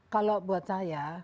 kalau buat saya